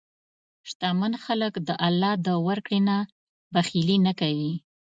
شتمن خلک د الله د ورکړې نه بخیلي نه کوي.